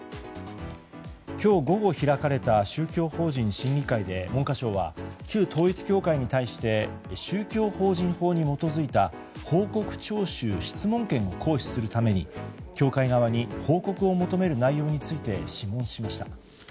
今日午後開かれた宗教法人審議会で文科省は旧統一教会に対して宗教法人法に基づいた報告徴収・質問権を行使するために教会側に報告を求める内容について諮問しました。